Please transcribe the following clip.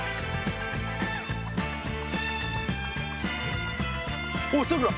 えっおいさくら